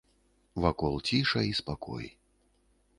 Вакол ціша і спакой.